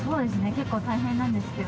結構大変なんですけど。